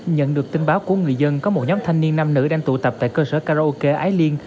nhận được tin báo của người dân có một nhóm thanh niên nam nữ đang tụ tập tại cơ sở karaoke ái liên